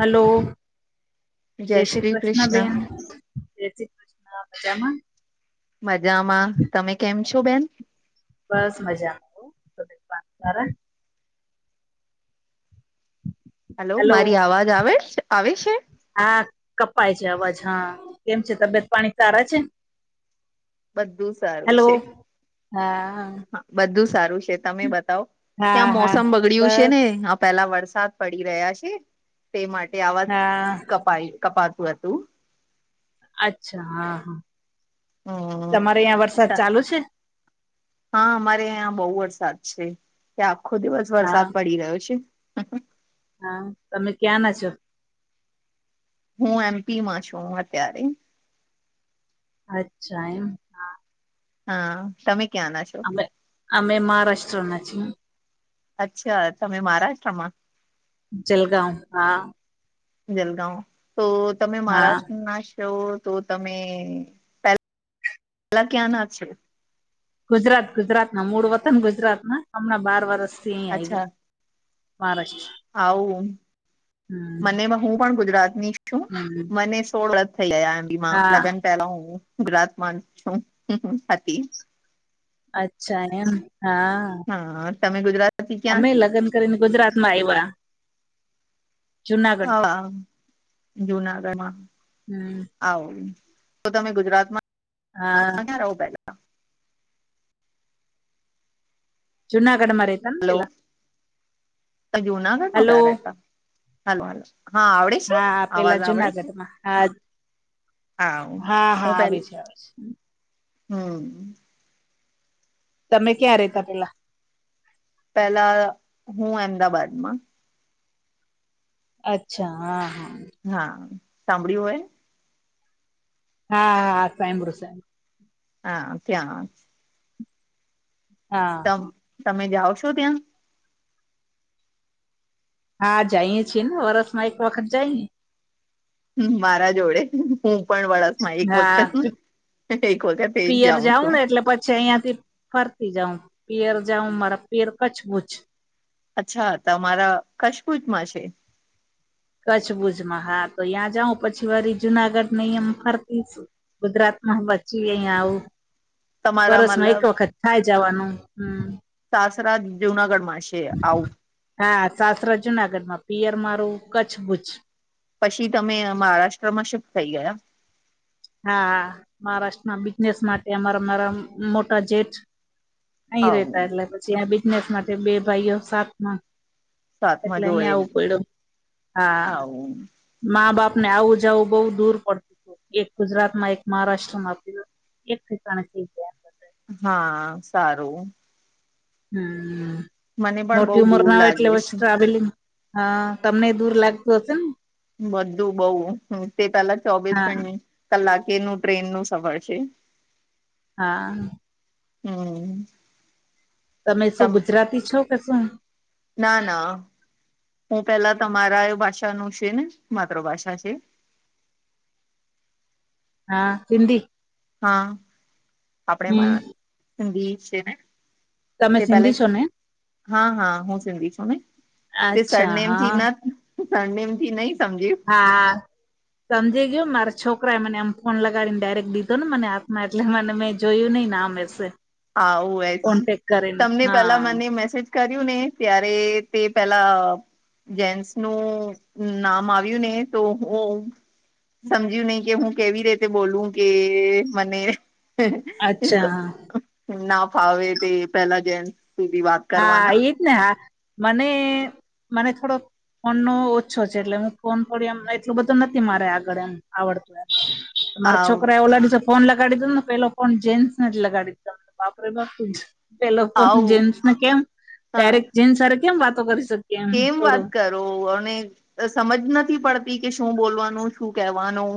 Hello, જે શ્રી કૃષ્ણ બેન. જે શ્રી કૃષ્ણ, મજામાં? મજામાં, તમે કેમ છો બેન? બસ મજામાં હો, તબિયત પાણી સારા? હલો હેલો મારી આવાજ આવે, આવે છે? હા કપાય છે અવાજ. હા, કેમ છે તબિયત પાણી સારા છે? બધું સારું હેલો છે. હા. હા, બધું સારું છે તમે બતાવો, હા ત્યાં હા મોસમ બગડય્યું છે ને બસ પેલા વરસાદ પડી રહ્યા છે, તે માટે આવા હા કપાઈ, કપાતું હતું. અચ્છા હા, હા હમ તમારે અહીંયા વરસાદ ચાલુ છે? હા, અમારે અહં બહુ વરસાદ છે. ત્યાં આખો દિવસ વરસાદ હા પડી રહ્યો છે? હા, તમે ક્યાં ના છો? હું એમ પીમાં છું, અત્યારે. અચ્છા, એમ. હા હા, તમે ક્યાં ના છો? અમે અમે મહારાષ્ટ્રના છીએ. અચ્છા, તમે મહારાષ્ટ્રમાં? જલગાંવ, હા. જલગાંવ, તો તમે હા મહારાષ્ટ્રના જો તો તમે પે પેલા ક્યાંના છે? ગુજરાત ગુજરાતના, મૂળ વતન ગુજરાતના, હમણાં બાર વર્ષથી અહી અચ્છા આવ્યા. મહારાષ્ટ્ર આવું. મને હું પણ ગુજરાતની છું. હમ્મ. મને સોળ વરસ થઈ ગયા એમ પીમાં. લગ્ન પેલા હું ગુજરાતમાં છું હતી. અચ્છા ને એમ હા. હા, તમે ગુજરાત અમે લગ્ન કરીને ગુજરાતમાં આવ્યા. જુનાગઢ હા, જુનાગઢમાં. હમ્મ. આવુ, તો તમે ગુજરાતમાં હા. [unintelligible] જુનાગઢમાં રે હલો, તો જુનાગઢમાં હલો ક્યાં રહેતા, હલો હ હા આવડે. છે હા, પેલા અવાજ આવડે છે જુનાગઢમાં હા હા હા હા આવે છે, આવે છે. હમ્મ. તમે ક્યાં રહેતા, પેલા? પેલા, હું અમદાબાદમાં. અચ્છા. હા હા. હા, સાભળ્યું હોય હા, હા, સાંભરુ [unintelligible] હા, ત્યાં તમ હા તમે જાઓ છો, ત્યાં? હા, જઈએ છીએ ને, વરસમાં એક વખત જઈએ. હમ્મ મારા જોડે, હું પણ વરસ એક વખત, હા એક વખત એજ જાઉં છું. છે અહિયાંથી ફરતી જાઉં, પિયર જાઉ મારા પિયર કચ્છબુજ. અચ્છા, તમારા કરછબૂજમાં છે? કચ્છભુજમાં હા, તો ત્યાં જાઉં પછી વરી જુનાગઢ ને એમ ફરતી છું. ગુજરાતમાં બચી અઈ આવું તમારા વરષમાં એક મતલબ વખત થાય જવાનું હમ્મ સાસરા જુનાગઢમાં છે આવું હા સસરો જુનાગઢમાં પિયર મારું કચ્છભુજ પછી તમે મહારાષ્ટ્રમાં શિફ્ટ થઈ ગયા એમ હા મહારાષ્ટ્રમાં બિઝનેસ માટે અમારા મારા મોટા જેટ અહી આવું રેતા એટલે પછી આ બિઝનેસ માટે બે ભાઈઓ સાત માં સાતમા એટલે જોડે અહીંયા આવું પડ્યું હા આવું મા બાપ ને આવું જવું બઉુ દૂર પડતું હતું એક ગુજરાત માં એક મહારાષ્ટ્રમાં આપું એક [unintelligible] ગ્યા હા સારું હમ્મ મને પણ બહુ મોટી ઉંમર દૂર ના હોય લાગે એટલે છે ટ્રાવેલિંગ હા તમને દૂર લાગતું હશે ને બધું બઉ તે પેલા ચોવીસ હા કલાકે ન ટ્રેન નું સફર છે હા હમ્મ તમે શું ગુજરાતી છો કે શું ના ના હું પેલા તમારા એ ભાષાનું છે ને માતૃ ભાષા છે હા હિન્દી હા આપણે હમ મા હિન્દી છે ને તમે તે પેલે સિંધી છો ને હા હા હું સિંધી છું ને તે અચ્છા સરનેમ ચ હા ના સરનેમથી નઈ સમજી હા હા સમજી ગય મારા છોકરા એ મને આમ ફોન લગાડીને ડાયરેક્ટ લીધો ને મને હાથમાં એટલે મને મે જોયું નહી ના આમ વશે આવું એ તમને હા પેલા મને મેસેજ કર્યું ને ત્યારે તે પેલા જેન્સ નું નામ આવ્યું ને તો હું સમજ્યું નહી કે હું કેવી રીતે બોલું કે મને અચ્છા ના ફાવે તે પેલા જે સુધી વાત હા કરવાના એજ ને હા મને મને થોડો ફોન નો ઓછો છે એટલે હું ફોન થોડી એમ એટલું બધું નથી મારે આગળ એમ આવડતું મારા આવ છોકરા એ ઓલાડી જ ફોન લગાડી દો ને પેલો ફોન જેન્સ નથી લગાડી દી ધો ને બાપરે બાપ પેલો ફોન આવું જેન્સ કેમ હા ડાયરેક્ટ જેન્સ હારે કેમ વાતો કરી શકુ કેમ વાત કર અને સમજ નથી પડતી કે શું બોલવાનું શું કેવાનું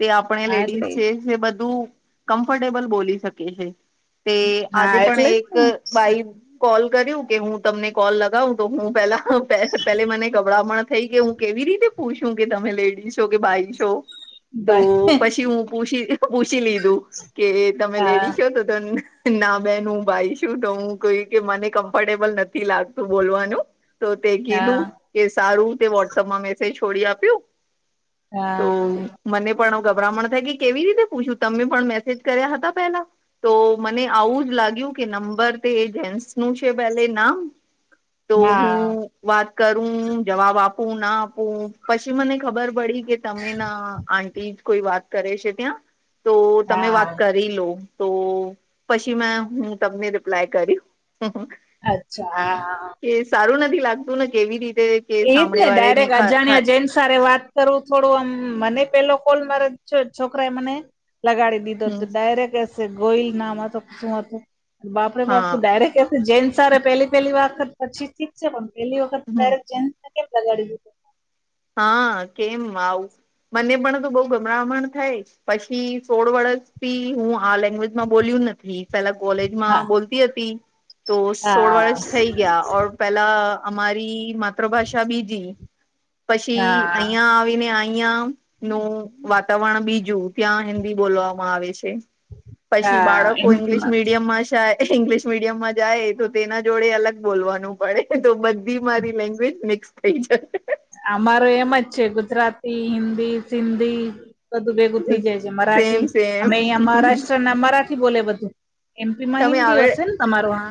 તે આપણે હા એટલે લેડીઝ છે તે બધું કમ્ફર્ટેબલ બોલી શકે છે તે હા આજે પણ એટલે એક જ ને ભાઈ કોલ કર્યું કે હું તમને કોલ લગાવું તો હું પેલા પેલે મને ગભરામન પણ થઈ કે હું કેવી રીતે પૂછું કે તમે લેડીઝ છ કે ભાઈ છો તો બાય પછી હું પૂછી પૂછી લીધું કે તમે હા લેડીસો તો ના બેન હું ભાઈ શું તો હું કોઈ કે મને કમ્ફર્ટેબલ નથી લાગતું બોલવાનું તો તે હા કીધું કે સારું તે વોટ્સઅપમાં મેસેજ છોડી આપ્યું તો હા મને પણ ગભરામણ થાય કે કેવી રીતે પૂછું તમે પણ મેસેજ કર્યા હતા પેલા તો મને આવું જ લાગ્યું કે નંબર તે જેન્ટસ નું છે પેલે ના હા વાત કરું જવાબ આપું ના આપું પછી મને ખબર પડી કે તમે ના આટી જ કોઈ વાત કરે છે ત્યાં તો તમે વાત હા કર કરી લો તો પછી મે હું તમને રિપ્લાય કર અચ્છા હ એ સારું નથી લાગતું ને કેવી રીતે કે એજ ને સાંભળે વાળે ડાયરેક્ટ ખ ખ અજાણ્યા જેમ સારી વાત કરું થોડું આમ મને પેલો કોલ મારે છોકરા એ મને લગાડી દ ીધ હમ ડાયરેક્ટ એસે ગોઈલ ના શું હતું બાપડે હા બાપું ડાયરેક્ટ જેન્સ સ પેલી પેલી વખત પછી ઠક છે પણ પહેલી વખત હમ ડાયરેક્ટ જેન્સ કેમ લગાડી દીધ હા કેમ આવું મને પણ તો બઉ ગમરામણ થાય પછી સોળ વર્ષથી હું આ લેંગ્વેજમાં બોલ્યું નથી પેલા હા કોલેજમાં બોલતી હતી તો સોળ વર્ષ હા થઈ ગયા ઓર પેલા અમારી માતૃભાષા બીજી પછી હા અહંયા આવીને અહં નું વાતાવરણ બીજું ત્યાં હિન્દી બોલવામાં આવે છે પછી હા બાળકો ઈંગ્લિશ એમથી મીડિયમ માં થાય ઇંગ્લિશ મીડિયમ માં જાય તો તેના જોડે અલગ બોલવાનું પડે તો બધ ી મારી લેંગ્વેજનેક્ ક અમારો એમ જ છે ગુજરાતી હિન્દી સિંધી બધું ભેગું થઈ જાય છે મરાઠી સેમ અ સેમ અહં મહારાષ્ટ્ર ના મરાઠી બોલે બધું એમપી મા તમે હિન્દીી આવડે હશે ને તમાર હ હ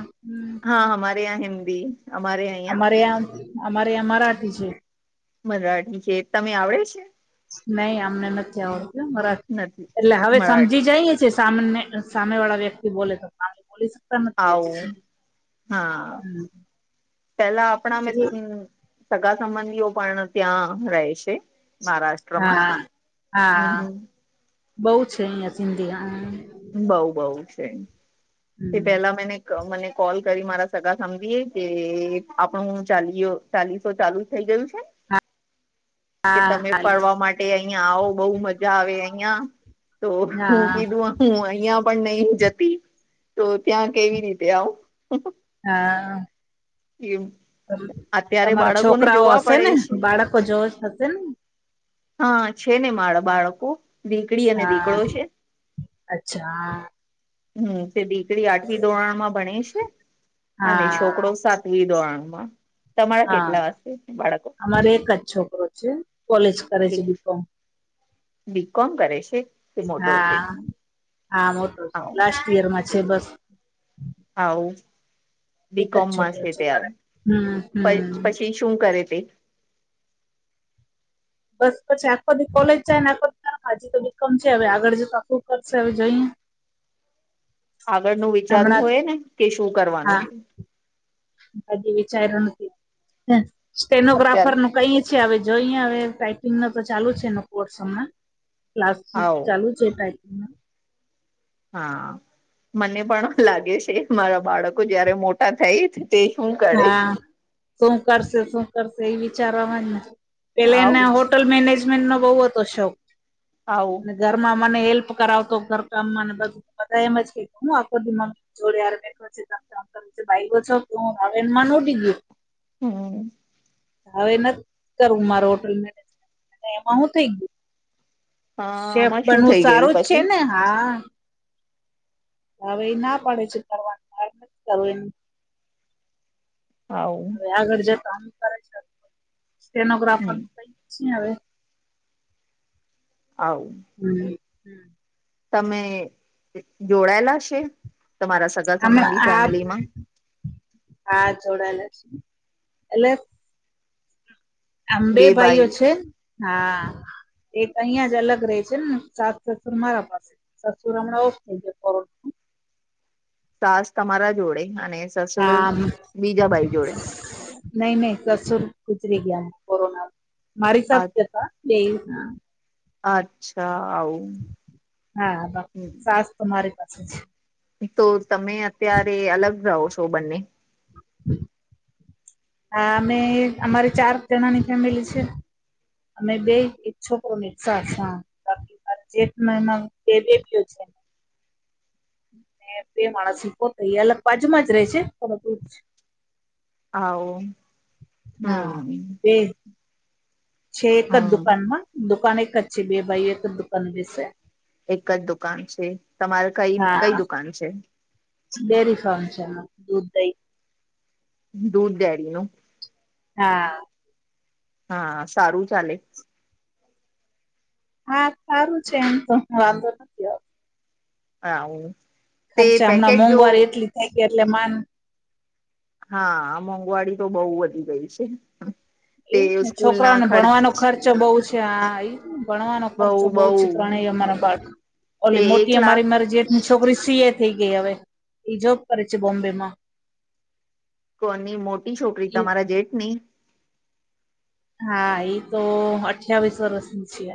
હા હમારે ં હિન્દી અમારે અહિયાં અમારે આ્યાં અમારે્યાં મરાઠી છે મરાઠી છે તમે આવડે છે નહી અમને નથી આવડતું મારા નથી એટલે હવે મરાઠ સમજી જાય છે સામાન્ય સામે વાળા વ્યક્તિ બોલે તો બોલી શકતા નથી હજ આવું સુધી હા હમ પેલા આપણા મે એટલે સગા સંબંધીઓ પણ ત્યાં રહેશે મહારાષ્ટ્ર હા હા બઉ છે અહિયાં સિંધી બઉુ બઉ છે તે હમ પેલા મને મને કોલ કરી મારા સગા સમજીએ કે આપણું હું ચાલી્યો ચાલીસો ચાલુ જ થઈ ગયું છે [inaudible] કે તમે ફરવા માટે અહિયાં આવો બહુ મજા આવે અહિયાં તો હું હા કીધું હું અહિયાં પણ નહી જતી તો ત્યાં કેવી રીતે આવ હા એવું તમારા છોકરાઓ હશે પડે ને છે બાળકો જો હશે ને હા છેેને મા બાળકોું હા અચ્છા હમ તે દીકરી આઠમ ધોરણમાં ભણે છે અને હા છોકરો સાથે લ દો આંગમાં તમારા હા કેટલા વાશે બાળકો અમારે એકદ છોકરો છે કોલેજ કરે છે એક બિકમ બીકોમ કરે છે તે મોટો છે હા હા મોટો આવ લાસ્ટ ઈયરમાં બસ આવું બી એક જ કોમમાં છોકરો છે તાર મારે હમ હમ પછી શું કરે તે બસ પછી આખો દી કોલેજ જાય ને આખો હાજી તો બિકમ છે હવે આગળ જતા ફું કરશે હવે જઈએ આગળ ન વિચારવું હોય ને કે શું કરવાનું હા છે વિચાર્યું નથી સ્ટેનોગ્રાફર અત્યારે નું કઈ? છે હવે જોઈ હવે ટાઈપિંગ ન તો ચાલુ છે ન કોર્સમાં ક્લાસ આવ ચાલુ જે પકંગ હા મને પણ લાગે છે મારા બાળકો જયારે મોટા થાય. તે હું હા શું કરશે શું કરશે એ વિચારવાવા જ નથી. પેહેલા એને આવું જ હોટલ મેનેજમેન્ટ નો બહુ હતો શોખ હ અને ઘર માં મને હેલ્પ કરાવતો ઘર કામ ને બધું બધા એમજ કે હું આખો મમ્મી [unintelligible] હમ હવે નથી કરું મારો હોટલ મેનેજમેંટ એમાં હું થઈ ગયું. હા શેફ આમાં શું પણ હું થઈ ગયું સારું જ છે પછી ને હા હવે એ ના પડે છે કરવાનું નથી કરું એ આવું હવે આગળ જતા આમ કરાય છે સ્ટેનોગ્રાફર હમ ન કઈ પછ હવે આવ હમ હમ તમે જોડાયેલા છે તમારા સ આમાં આ આ જોડાયેલા છે એટલે આમ બે ભાઈઓ છે હા એક અહિયાં જ અલગ રહે છે ને સાસ સસુર મારા પાસે શસુરામળ વ કે સાસ તમારા જોડે અને સસુર હા બીજા ભાઈ જોડે નહી નહી સસુર ગુજરી ગયા ન કોરોના મારી [unintelligible] બે અચ્છા આવ હા બાપુ સાસ તો મારી પાસે છે. તો તમે અત્યારે અલગ રહો છો બંને હ આ અમે અમારી ચાર જણાની ફેમિલી છે. અમે બે ઈક છોકરો અને એક સાસ જેઠ [unintelligible] છે. બે માણસ પોટ એ અલગ બાજુમાં જ રે છે પરંતુ [inaudible] હવ હમ એ છે એક જ હમ દુકાનમાં દુકાન એક જ છે, બે ભાઈ એક જ દુકાન વિશે એક જ દુકાન છે તમારે કઈ કઈ હા દુકાન છે. ડેરી ફાર્મ છે. દૂધ દહી દૂધ [unintelligible] નું હા હા સારું ચાલે હા સારું છે એમ તો વાંધો નથી. આવતો હા હ ખર્ચે હમણાં મોંઘવારી એટલી થઈ ગઈ એટલે માન હા મોંઘવારી તો બહુ વધી ગઈ છે. તે એને સ્કૂલ ના છોકરાને ભણવાનો ખર્ચ ખર્ચો બહુ છે આ ભણવાનો બઉ ખર્ચો બહુ બઉ જ ત્રણેય અમારો બાળ તે ઓલી એક મોટી લાખ અમારી મારી જે છોકરી સીએ થઈ ગઈ હવે એ જોબ કરે છે બોમ્બે માં કોની મોટી છોકરી એ તમારા જેઠ ની હા એ તો અઠાવીસ વર્ષની છે.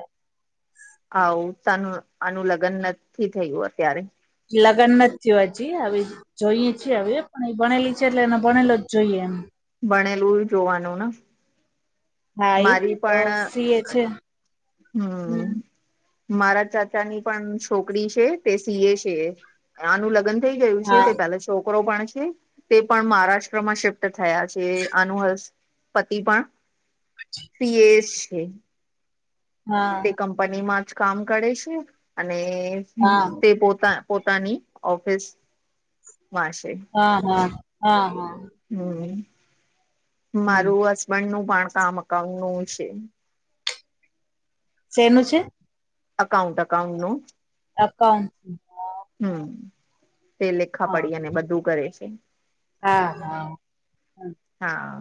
આવું તનું આનું લગ્ન નથી થયું અત્યારે. લગ્ન નથી થયુ હજી આવી જોઈ છીએ હવે પણ એ ભનેલી છે એટલે એ ભણેલો જ જોઈએ એમ. ભણેલું જોવાનું ને? હા ઈ તો સી એ છે. હમ્મ. હમ મારા ચાચા ની પણ છોકરી છે તે સી એ છે. આનું લગ્ન થઈ ગયું છે. હા તે પેલા છોકરો પણ છે તે પણ મહારાષ્ટ્રમાં શિફ્ટ થયા છે આનુ હસ પતિ પણ પી એસ છે. હા તે કંપનીમાં જ કામ કરે છે અને હા તે પોતા પોતાની ઓફિસ વાસે. હા હા, હા હા. હમ્મ, હમ મારું હસબન્ડ નું પણ કામ અકાઉન્ટ નું છે. સેનું છે? અકાઉન્ટ અકાઉન્ટ નું. અકાઉન્ટસ નું. હમ્મ, તે લેખા હા પડી અને બધું કરે છે. હા હા. હમ. હા.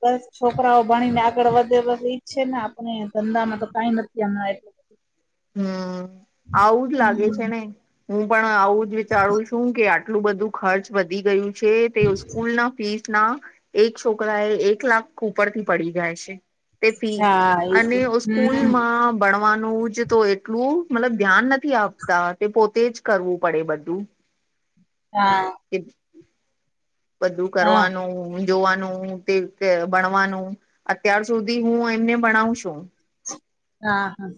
બસ છોકરાઓ ભણીને આગળ વધે ઈચ્છે ને આપણે ધંધામાં તો કઈ નથી અમાર. [inaudible] હમ્મ, આવું જ લાગે છેને. હું પણ આવું જ વિચારું છું કે આટલું બધું ખર્ચ વધી ગયું છે તે સ્કૂલ ના ફીસ ના એક છોકરા એ એક લાખ ઉપરથી પડી જાય છે. તે ફી હા એ જ અને હમ સ્કૂલમાં ભણવાનું જ તો એટલું મતલબ ધ્યાન નથી આપતા તે પોતે જ કરવું પડે બધું. હા. કે બધું હા કરવાનું. જોવાનું તે તે ભણવાનું અત્યાર સુધી હું એમને ભણાવ છું. હા હા.